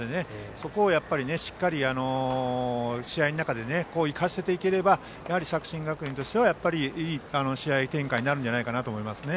そこを、しっかり試合の中で生かしていければ作新学院とすればやっぱり、いい試合展開になるんじゃないかと思います。